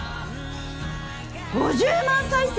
５０万再生？